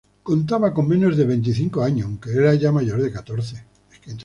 Contaba con menos de veinticinco años, aunque era ya mayor de catorce.